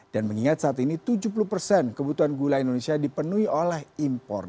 dan mengingat saat ini tujuh puluh persen kebutuhan gula indonesia dipenuhi oleh impor